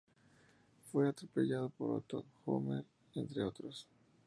Fue atropellado por Otto y Homer entre otros.